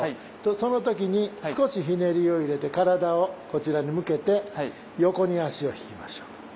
その時に少しひねりを入れて体をこちらに向けて横に足を引きましょう。